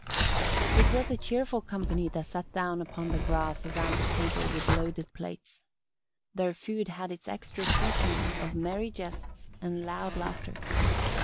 It was a cheerful company that sat down upon the grass around the table with loaded plates. Their food had its extra seasoning of merry jests and loud laughter.